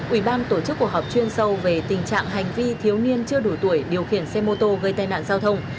ủy ban tổ chức cuộc họp chuyên sâu về tình trạng hành vi thiếu niên chưa đủ tuổi điều khiển xe mô tô gây tai nạn giao thông